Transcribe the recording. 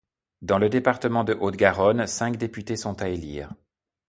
Dans le département de Haute-Garonne, cinq députés sont à élire.